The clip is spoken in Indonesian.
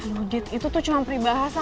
loh dit itu tuh cuma peribahasa